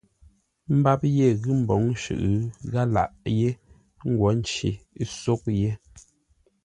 Mbap ye ghʉ́ mbǒŋ shʉʼʉ, gháp laghʼ yé ńgwó nci ńsóghʼ yé.